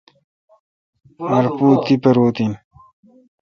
آر پُو تی پاروت این۔